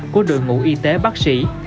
của đội ngũ y tế bác sĩ